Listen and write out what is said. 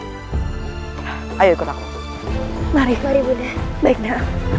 hai ayo ikut aku mari kita pun baiknya